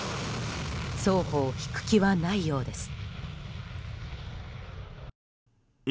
双方、引く気はないようです。